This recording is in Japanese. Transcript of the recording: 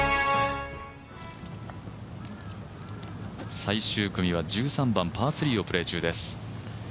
最終組は１３番パー３をプレー中です。